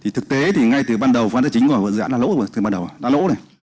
thực tế thì ngay từ ban đầu phân tích tính của dự án đã lỗ